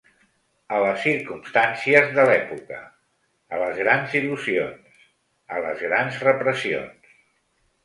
A les circumstàncies de l’època, a les grans il·lusions, a les grans repressions.